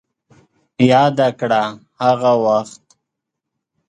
ياده کړه هغه وخت